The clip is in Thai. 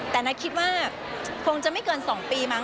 แต่นัทคิดว่าคงจะไม่เกิน๒ปีมั้